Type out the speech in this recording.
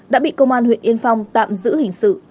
đã bị công an huyện yên phong tạm giữ hình sự